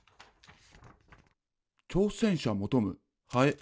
「挑戦者求むハエ」。